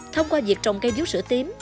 thông qua việc trồng cây dũ sữa tím